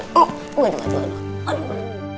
aduh aduh aduh